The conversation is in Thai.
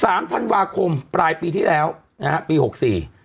สามธันวาคมปลายปีที่แล้วนะฮะปีหกสี่